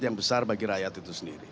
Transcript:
yang besar bagi rakyat itu sendiri